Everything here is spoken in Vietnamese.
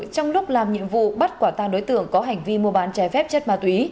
trong lúc làm nhiệm vụ bắt quả tang đối tượng có hành vi mua bán trái phép chất ma túy